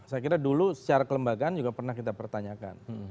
saya kira dulu secara kelembagaan juga pernah kita pertanyakan